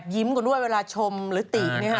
ยิ้มกันด้วยเวลาชมหรือติดเนี่ยค่ะ